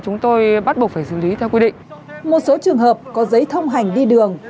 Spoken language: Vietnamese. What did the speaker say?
một số trường hợp có giấy thông hành đi đường